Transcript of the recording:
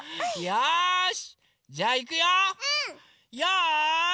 よし！